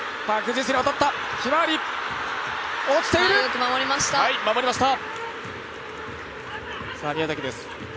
よく守りました。